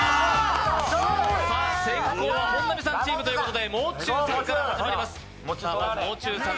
先攻は本並さんチームということで、もう中さんから始まります。